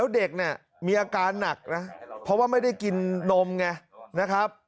เด็กมีอาการหนักนะเพราะว่าไม่ได้กินนมไง